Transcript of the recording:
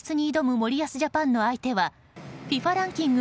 森保ジャパンの相手はＦＩＦＡランキング